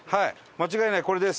間違いないこれです。